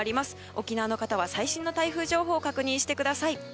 沖縄の方は最新の台風情報を確認してください。